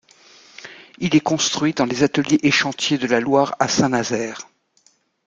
Il est construit dans les Ateliers et Chantiers de la Loire à Saint-Nazaire.